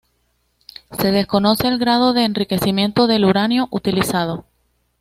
Se desconoce el grado de enriquecimiento del uranio utilizado.